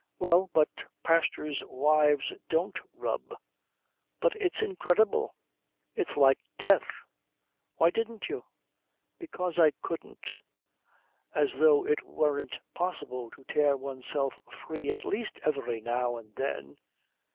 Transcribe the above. "Well, but pastors' wives don't rub." "But it's incredible! It's like death. Why didn't you?" "Because I couldn't." "As though it weren't possible to tear oneself free at least every now and then."